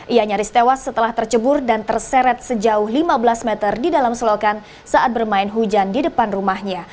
ia nyaris tewas setelah tercebur dan terseret sejauh lima belas meter di dalam selokan saat bermain hujan di depan rumahnya